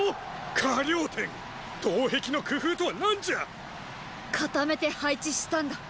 河了貂東壁の工夫とは何じゃ⁉固めて配置したんだ。